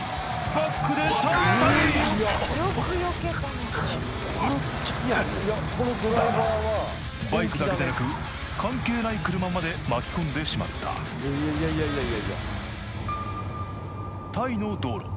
バックでバイクだけでなく関係ない車まで巻き込んでしまったタイの道路